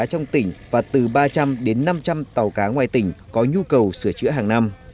trong tỉnh và từ ba trăm linh đến năm trăm linh tàu cá ngoài tỉnh có nhu cầu sửa chữa hàng năm